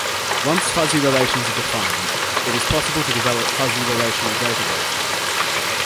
Once fuzzy relations are defined, it is possible to develop fuzzy relational databases.